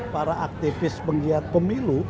para aktivis penggiat pemilu